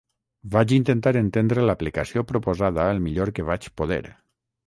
Vaig intentar entendre l'aplicació proposada el millor que vaig poder.